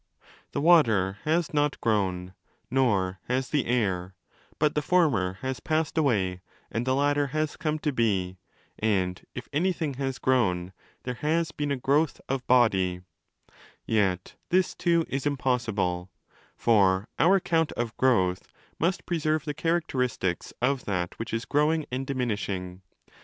The water has not grown, nor has the air: but the former has passed away and the latter has come to be, and—if anything has grown—there has been a growth of 'body'. Yet this too 1 Cf. above, 320727 P25, ΒΟΟΚ 1. 5 321* is impossible. For our account of growth must preserve the characteristics of that which is growing and diminishing.